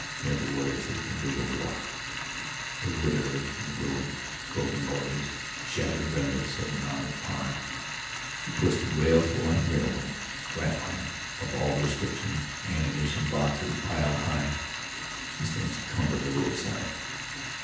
Every where is the debris of war, the litter and the ruin. Broken lorries, shattered remnants of an armored car, the twisted rails of a light railway, scrap iron of all descriptions, ammunition boxes piled high these things cumber the roadside.